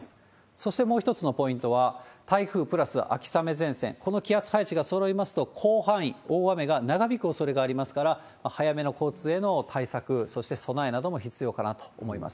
そしてもう一つのポイントは、台風プラス秋雨前線、この気圧配置がそろいますと、広範囲、大雨が長引くおそれがありますから、早めの交通への対策、そして備えなども必要かなと思います。